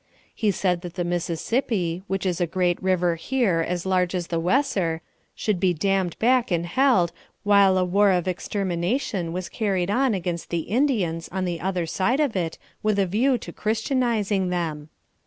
He said that the Mississippi, which is a great river here as large as the Weser, should be dammed back and held while a war of extermination was carried on against the Indians on the other side of it with a view to Christianizing them.